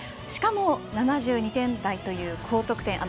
しかも７２点台という高得点。